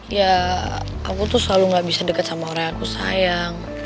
ya aku tuh selalu gak bisa deket sama orang aku sayang